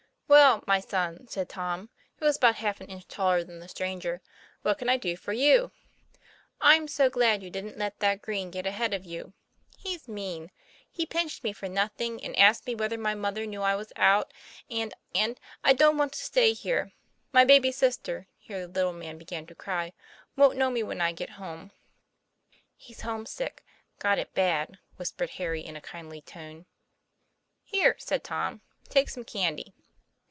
'Well, my son," said Tom, who was about half an inch taller than the stranger, "what can I do for you?" 'I'm so glad you didn't let that Green get ahead of you. He's mean; he pinched me for nothing, and asked me whether my mother knew I was out and and I don't want to stay here. My baby sister" here the little man began to cry "wont know me when I get home." 'He's homesick got it bad," whispered Harry in a kindly tone. 'Here," said Tom; "take some candy."